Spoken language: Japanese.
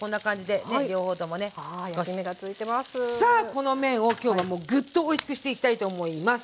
この麺をきょうはもうグッとおいしくしていきたいと思います。